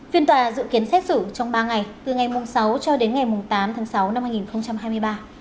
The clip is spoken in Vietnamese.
phiên tòa dự kiến xét xử trong ba ngày từ ngày sáu cho đến ngày tám tháng sáu năm hai nghìn hai mươi ba